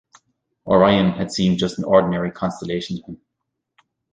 Orion had seemed just an ordinary constellation to him.